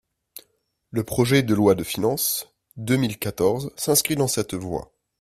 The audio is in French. Le projet de loi de finances deux mille quatorze s’inscrit dans cette voie.